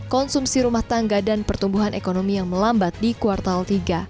konsumsi rumah tangga dan pertumbuhan ekonomi yang melambat di kuartal tiga